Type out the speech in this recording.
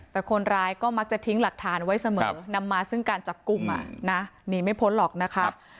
แต่คนร้ายก็มักจะทิ้งหลักฐานไว้เสมอนำมาซึ่งการจับกลุ่มหนีไม่พ้นหรอกนะคะ